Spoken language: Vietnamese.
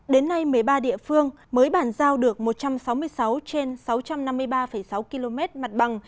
đến nay một mươi ba địa phương mới bàn giao được một trăm sáu mươi sáu trên sáu trăm năm mươi ba sáu km mặt bằng